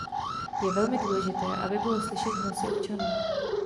Je velmi důležité, aby bylo slyšet hlasy občanů.